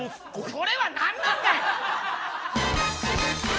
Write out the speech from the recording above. それは何なんだよ！